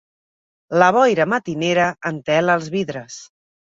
La boira matinera entela els vidres.